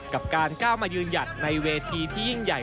กับการก้าวมายืนหยัดในเวทีที่ยิ่งใหญ่